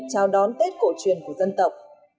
chào đón tết cổ truyền của dân tộc